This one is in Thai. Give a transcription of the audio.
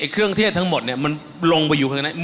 เครื่องเทศทั้งหมดมันลงไปอยู่ข้างใน